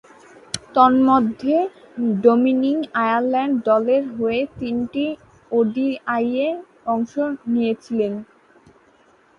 তন্মধ্যে Dominic Ireland দলের হয়ে তিনটি ওডিআইয়ে অংশ নিয়েছেন।